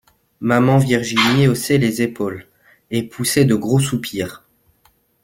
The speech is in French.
Maman Virginie haussait les épaules, et poussait de gros soupirs.